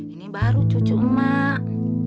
ini baru cucu emak